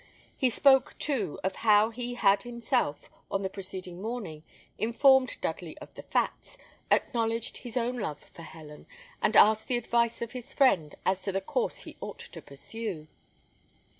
He spoke, too, of how he had himself, on the preceding morning, informed Dudley of the facts, acknowledged his own love for Helen, and asked the advice of his friend as to the course he ought to pursue.